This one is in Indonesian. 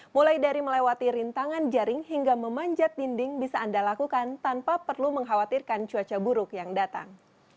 mulai dari melewati rintangan jaring hingga memanjat dinding bisa anda lakukan tanpa perlu mengkhawatirkan cuaca buruk yang datang